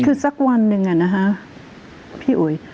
คือสักวันหนึ่งอะนะคะพี่อุ๋ย